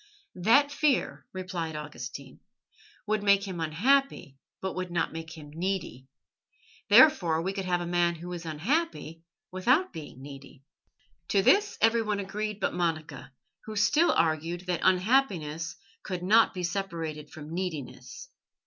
"That fear," replied Augustine, "would make him unhappy but would not make him needy. Therefore we could have a man who is unhappy without being needy." To this everyone agreed but Monica, who still argued that unhappiness could not be separated from neediness.